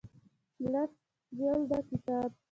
لس جلده کتاب